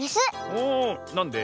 おなんで？